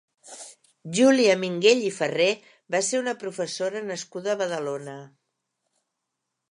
Júlia Minguell i Ferrer va ser una professora nascuda a Badalona.